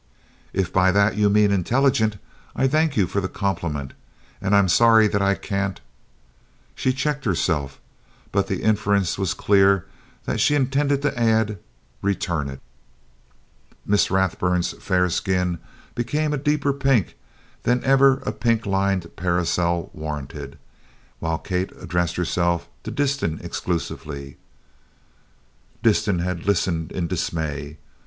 "If by that you mean intelligent, I thank you for the compliment, and I'm sorry that I can't " She checked herself, but the inference was clear that she intended to add "return it." Miss Rathburn's fair skin became a deeper pink than even a pink lined parasol warranted, while Kate addressed herself to Disston exclusively. Disston had listened in dismay.